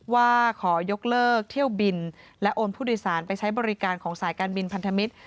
ว่าขอยกเลิกเที่ยวบินและโอนผู้โดยสารไปใช้บริการของสายการบินพันธมิตร